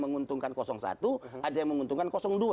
menguntungkan satu ada yang menguntungkan dua